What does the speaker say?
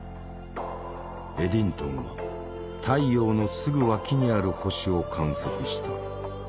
エディントンは太陽のすぐ脇にある星を観測した。